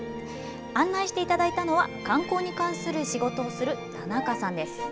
案内していただいたのは、観光に関する仕事をする田中さんです。